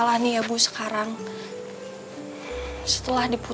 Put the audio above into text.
dia aggi sebab ber pembelajaran sama si ibu